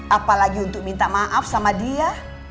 apalagi untuk minta maaf sama dia